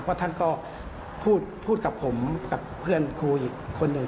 เพราะท่านก็พูดกับผมกับเพื่อนครูอีกคนหนึ่ง